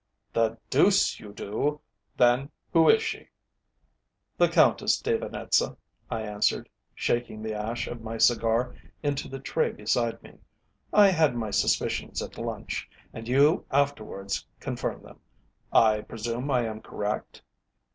"The deuce you do! Then who is she?" "The Countess de Venetza," I answered, shaking the ash of my cigar into the tray beside me. "I had my suspicions at lunch, and you afterwards confirmed them. I presume I am correct?"